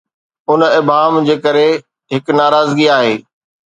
ان ابهام جي ڪري، هڪ ناراضگي آهي.